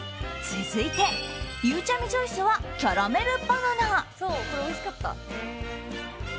続いて、ゆうちゃみチョイスはキャラメルバナナ。